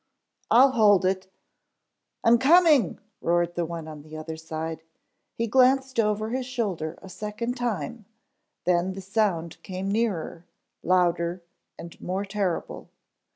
"I'll hold it " "I'm coming " roared the one on the other side. He glanced over his shoulder a second time, then the sound came nearer, louder, and more terrible.